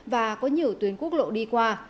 và có nhiều tuyến quốc lộ đi qua